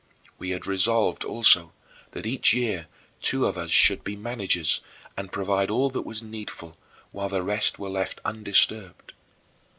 We had resolved, also, that each year two of us should be managers and provide all that was needful, while the rest were left undisturbed.